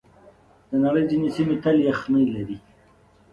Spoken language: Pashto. د نړۍ ځینې سیمې تل یخنۍ لري.